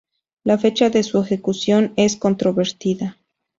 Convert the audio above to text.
La fecha de su ejecución es controvertida.